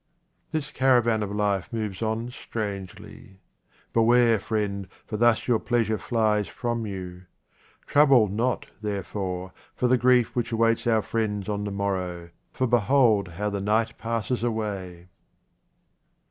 This caravan of life moves on strangely — beware, friend, for thus your pleasure flies from you. Trouble not, therefore, for the grief which awaits our friends on the morrow, for behold how the night passes away